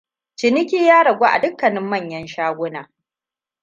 Ciniki ya ragu a dukkanin manyan shaguna.